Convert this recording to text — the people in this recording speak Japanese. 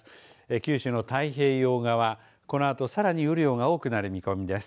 九州の太平洋側、この後さらに雨量が多くなる見込みです。